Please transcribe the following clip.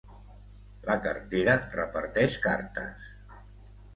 La cartera reparteix cartes.